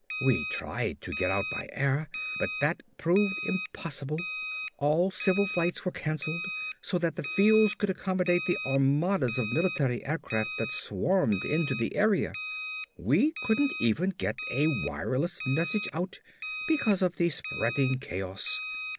"We tried to get out by air but that proved impossible. All civil flights were canceled so that the fields could accommodate the armadas of military aircraft that swarmed into the area. We couldn't even get a wireless message out because of the spreading chaos.